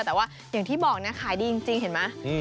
แต่ว่าอย่างที่บอกนะขายดีจริงเห็นไหม